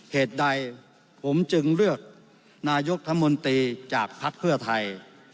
เหตุใดผมจึงเลือกนายกรัฐมนตรีจากภักดิ์เพื่อไทย